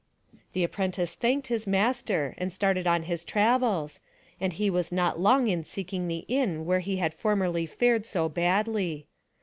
" The apprentice thanked his master and started on his travels and he was not long in seeking the inn where he had formerly fared so badly.